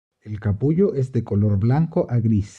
El capullo es de color blanco a gris.